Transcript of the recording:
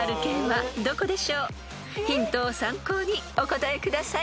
［ヒントを参考にお答えください］